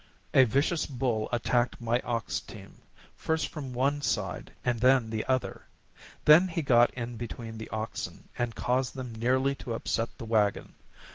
A vicious bull attacked my ox team, first from one side and then the other. Then he got in between the oxen and caused them nearly to upset the wagon.